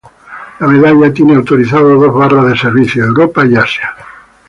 La medalla tiene autorizadas dos barras de servicio: Europa y Asia.